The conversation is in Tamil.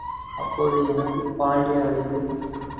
அப்போது எனக்கு பால்ய வயது.